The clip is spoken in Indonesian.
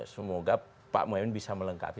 semoga pak mohaimin bisa melengkapi